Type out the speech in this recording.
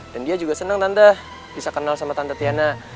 dan dia juga seneng tante bisa kenal sama tante tiana